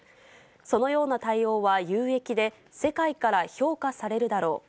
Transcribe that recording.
そのような対応は有益で、世界から評価されるだろう。